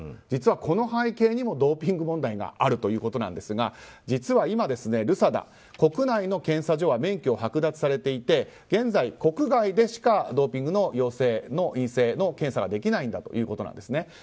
実は、この背景にもドーピング問題があるということなんですが実は今、ＲＵＳＡＤＡは国内の検査所は免許を剥奪されていて現在、国外でしかドーピングの陽性、陰性の検査ができないんだということなんです。